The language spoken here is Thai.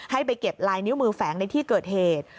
ให้ไปเก็บลายนิ้วมือแฝงในที่เกิดเหตุ